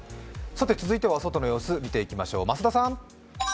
続いては外の様子見ていきましょう。